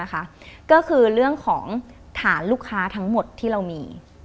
ก็คือเรื่องของฐานลูกค้าทั้งหมดที่เรามี